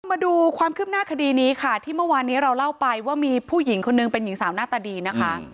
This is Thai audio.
มาดูความคืบหน้าคดีนี้ค่ะที่เมื่อวานนี้เราเล่าไปว่ามีผู้หญิงคนนึงเป็นหญิงสาวหน้าตาดีนะคะ